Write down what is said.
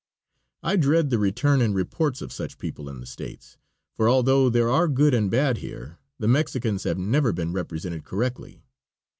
I dread the return and reports of such people in the States, for although there are good and bad here, the Mexicans have never been represented correctly.